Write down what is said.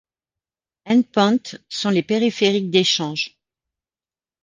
End point sont les périphériques d'échanges.